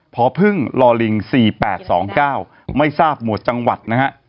พพึ่งลอลิง๔๘๒๙ไม่ทราบหมวดจังหวัดนะฮะ